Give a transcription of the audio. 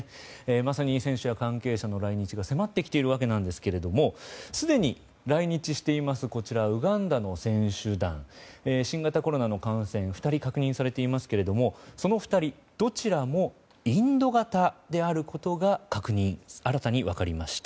まさに選手や関係者の来日が迫ってきているわけですがすでに来日していますウガンダの選手団新型コロナの感染２人確認されていますけどもその２人、どちらもインド型であることが新たに分かりました。